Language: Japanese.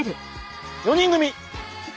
４人組。